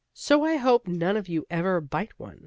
So I hope none of you ever bite one.